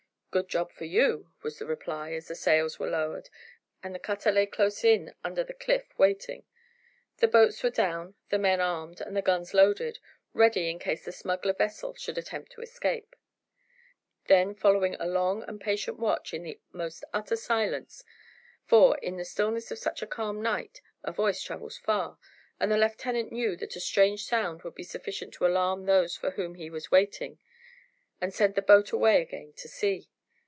"Good job for you," was the reply, as the sails were lowered, and the cutter lay close in under the cliff waiting. The boats were down, the men armed, and the guns loaded, ready in case the smuggler vessel should attempt to escape. Then followed a long and patient watch, in the most utter silence; for, in the stillness of such a calm night a voice travels far, and the lieutenant knew that a strange sound would be sufficient to alarm those for whom he was waiting, and send the boat away again to sea.